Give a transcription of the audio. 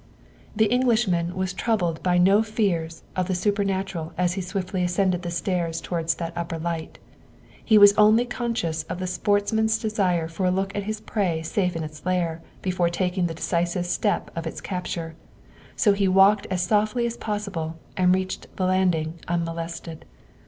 The Englishman was troubled by no fears of the su pernatural as he swiftly ascended the stairs towards that upper light. He was only conscious of the sportsman's desire for a look at his prey safe in its lair before taking the decisive step of its capture, so he walked as softly as possible and reached the landing unmolested.